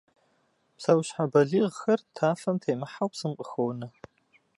Псэущхьэ балигъхэр тафэм темыхьэу псым къыхонэ.